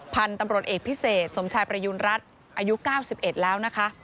พรรณตำรวจเอกพิเศษสมชายประยุนรัฐอายุ๙๑แล้ว